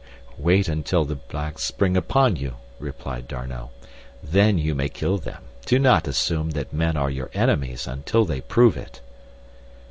"Wait until the blacks spring upon you," replied D'Arnot, "then you may kill them. Do not assume that men are your enemies until they prove it."